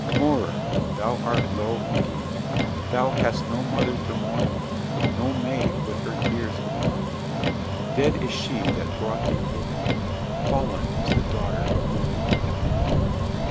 Morar! thou art low indeed. Thou hast no mother to mourn thee, no maid with her tears of love. Dead is she that brought thee forth. Fallen is the daughter of Morglan.